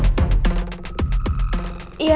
pangeran ikut dinner